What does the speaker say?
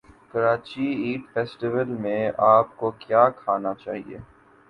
Karachi eat festival میں اپ کو کیا کھانا چاہیے